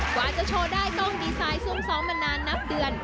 กว่าจะโชว์ได้ต้องดีไซน์ซุ่มซ้อมมานานนับเดือน